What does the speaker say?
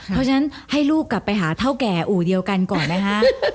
เพราะฉะนั้นให้ลูกกลับไปหาเท่าแก่อู่เดียวกันก่อนไหมคะ